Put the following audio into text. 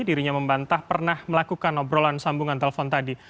dirinya membantah pernah melakukan obrolan sambungan telepon tadi